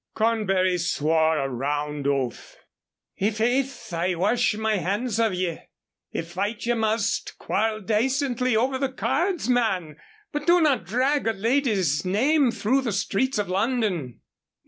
Cornbury swore a round oath: "I' faith, I wash my hands of ye. If fight ye must, quarrel dacently over the cards, man; but do not drag a lady's name through the streets of London."